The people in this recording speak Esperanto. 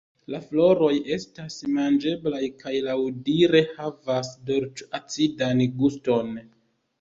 La floroj estas manĝeblaj kaj laŭdire havas dolĉ-acidan guston.